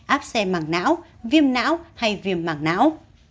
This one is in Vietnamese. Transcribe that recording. áp xe mạng não viêm não hay viêm mạng não